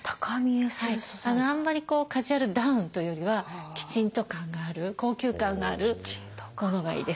あんまりこうカジュアルダウンというよりはきちんと感がある高級感があるものがいいです。